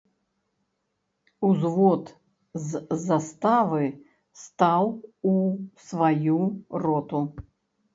Узвод з заставы стаў у сваю роту.